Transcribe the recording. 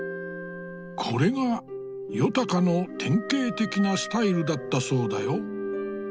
これが夜鷹の典型的なスタイルだったそうだよ。